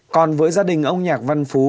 còn với gia đình ông nhạc văn phú